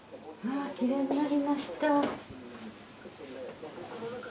あきれいになりました。